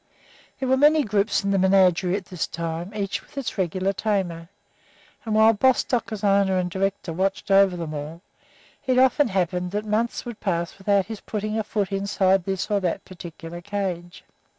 There were many groups in the menagerie at this time, each with its regular tamer; and while Bostock, as owner and director, watched over all of them, it often happened that months would pass without his putting foot inside this or that particular cage.